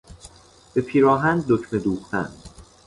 به پیراهن دکمه دوختن